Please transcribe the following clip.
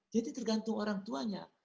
jadi tergantung orang tuanya